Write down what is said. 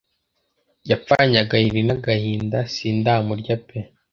yapfanye agahiri n'agahinda sindamurya pe